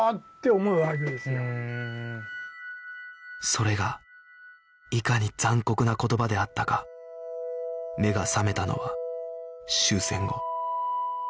それがいかに残酷な言葉であったか目が覚めたのは終戦後